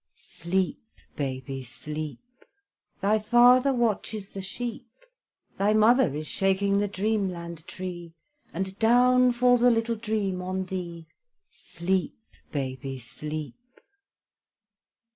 Sleep, baby, sleep! Thy father watches the sheep; Thy mother is shaking the dream land tree, And down falls a little dream on thee: Sleep, baby, sleep!